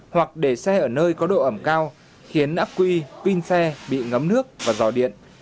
hoặc để xe ở nơi có độ ẩm cao khiến ác quy pin xe bị ngấm nước và dò điện